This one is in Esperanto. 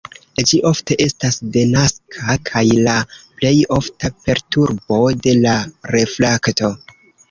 Ĝi ofte estas denaska kaj la plej ofta perturbo de la refrakto.